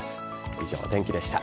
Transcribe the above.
以上、お天気でした。